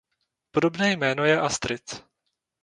Podobné jméno je Astrid.